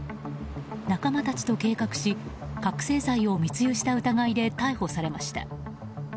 仲間たちと計画し覚醒剤を密輸した疑いで逮捕されました。